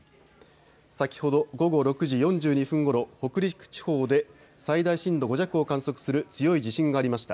先ほど午後６時４２分ごろ、北陸地方で最大震度５弱を観測する強い地震がありました。